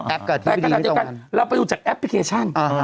แต่ขณะเดียวกันเราไปดูจากแอปพลิเคชัน